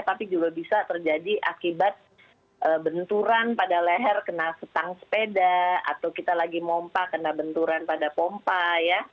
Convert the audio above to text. tapi juga bisa terjadi akibat benturan pada leher kena setang sepeda atau kita lagi mompa kena benturan pada pompa ya